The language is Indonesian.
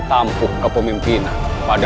tampuh kepemimpinan pada